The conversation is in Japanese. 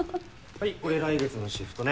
はいこれ来月のシフトね。